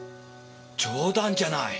冗談じゃない。